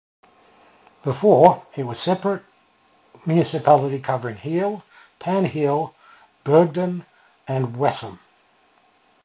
Before, it was a separate municipality covering Heel, Panheel, Beegden and Wessem.